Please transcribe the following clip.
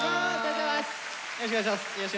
よろしくお願いします。